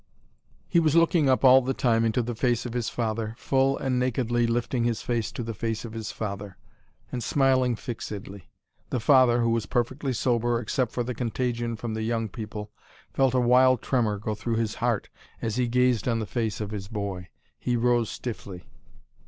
He was looking up all the time into the face of his father, full and nakedly lifting his face to the face of his father, and smiling fixedly. The father, who was perfectly sober, except for the contagion from the young people, felt a wild tremor go through his heart as he gazed on the face of his boy. He rose stiffly.